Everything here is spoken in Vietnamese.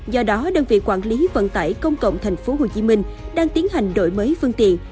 do đó đơn vị quản lý vận tải công cộng tp hcm đang tiến hành đổi mới phương tiện